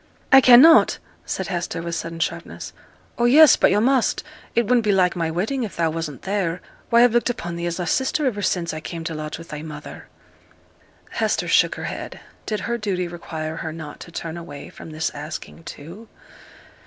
'I cannot,' said Hester, with sudden sharpness. 'Oh, yes, but yo' must. It wouldn't be like my wedding if thou wasn't there: why I've looked upon thee as a sister iver since I came to lodge with thy mother.' Hester shook her head. Did her duty require her not to turn away from this asking, too?